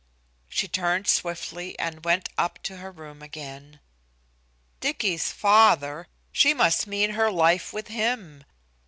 She turned swiftly and went up to her room again. Dicky's father! She must mean her life with him!